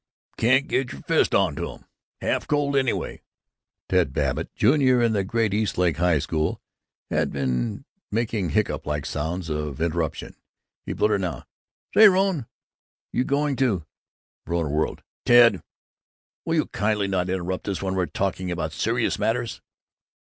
Can't get your fist onto 'em. Half cold, anyway!" Ted Babbitt, junior in the great East Side High School, had been making hiccup like sounds of interruption. He blurted now, "Say, Rone, you going to " Verona whirled. "Ted! Will you kindly not interrupt us when we're talking about serious matters!"